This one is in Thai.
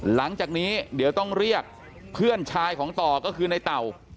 หลังจากนี้เดี๋ยวต้องเรียกเพื่อนชายของต่อก็คือในเต่า